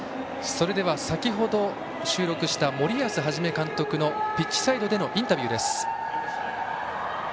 先程収録した森保一監督のピッチサイドでのインタビュー。